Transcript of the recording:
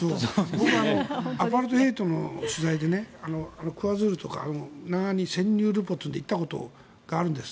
僕はアパルトヘイトの取材でクワズールとか潜入リポということで行ったことがあるんです。